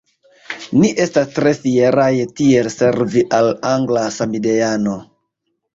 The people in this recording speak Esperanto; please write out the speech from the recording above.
Ni estas tre fieraj tiel servi al angla samideano.